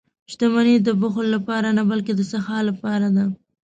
• شتمني د بخل لپاره نه، بلکې د سخا لپاره ده.